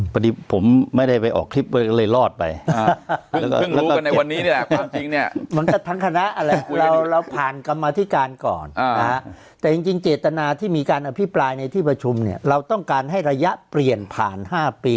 พอดีผมไม่ได้ไปออกคลิปเลยเลยรอดไป